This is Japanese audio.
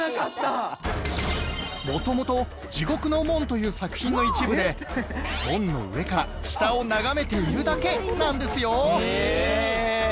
元々『地獄の門』という作品の一部で門の上から下を眺めているだけなんですよ